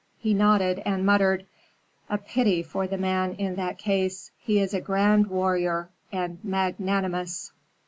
He nodded and muttered, "A pity for the man in that case! He is a grand warrior, and magnanimous."